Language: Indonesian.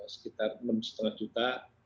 sekitar sembilan lima juta